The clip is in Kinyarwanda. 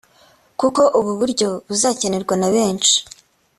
kuko ubu buryo buzakenerwa na benshi